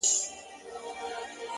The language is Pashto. ژوند سرینده نه ده” چي بیا یې وږغوم”